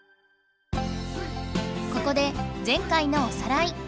ここで前回のおさらい。